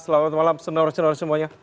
selamat malam senar senar semuanya